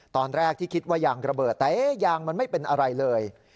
ตอนแรกที่คิดว่ายางระเบิดแต่ยางมันไม่เป็นอะไรเลย